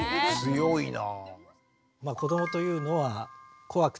強いな。